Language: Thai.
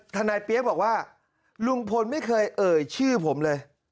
เปี๊ยกบอกว่าลุงพลไม่เคยเอ่ยชื่อผมเลย